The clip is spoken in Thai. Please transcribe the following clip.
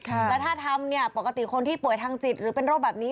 แล้วถ้าทำเนี่ยปกติคนที่ป่วยทางจิตหรือเป็นโรคแบบนี้